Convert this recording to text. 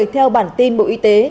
theo bản tin bộ y tế